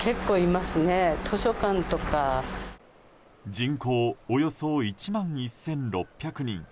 人口およそ１万１６００人。